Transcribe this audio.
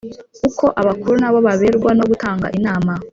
uko abakuru na bo baberwa no gutanga inama!